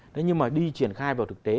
thế nhưng mà đi triển khai vào thực tế